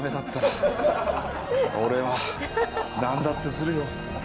俺はなんだってするよ。